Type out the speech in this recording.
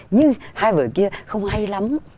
như hai vở kia không hay lắm